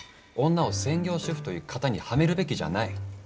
女を「専業主婦」という型にはめるべきじゃない。